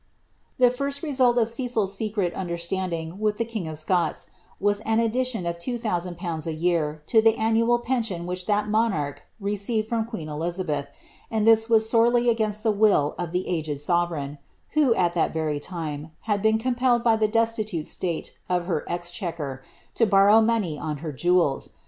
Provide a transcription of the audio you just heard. The first result of Cecil's secret understanding with the king of Scots, «B an addition of two thousand pounds a year to the anniuil pension 'hich that monarch received from queen Elizabeth ; and this was sorely [ainst the will of the aged sovereign, who, at that very time, had been anpelled by the destitute state of her exchequer, to borrow money on sr jewels.